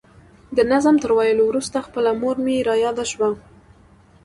د نظم تر ویلو وروسته خپله مور مې را یاده شوه.